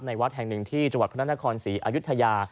วัดแห่งหนึ่งที่จังหวัดพระนครศรีอายุทยา